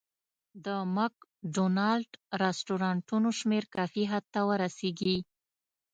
د مک ډونالډ رستورانتونو شمېر کافي حد ته ورسېږي.